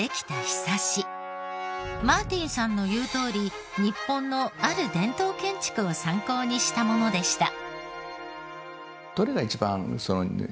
マーティンさんの言うとおり日本のある伝統建築を参考にしたものでした。